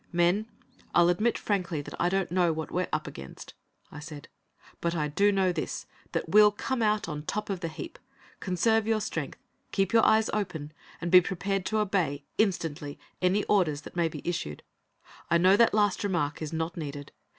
"Men, I'll admit frankly that I don't know what we're up against," I said. "But I do know this: we'll come out on top of the heap. Conserve your strength, keep your eyes open, and be prepared to obey, instantly, any orders that may be issued: I know that last remark is not needed.